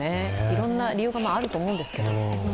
いろんな理由があると思うんですけれども。